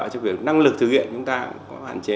cho việc năng lực thực hiện chúng ta cũng có hạn chế